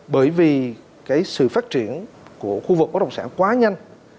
bởi vì cái sự phát triển của khu vực bất động sản quá nhanh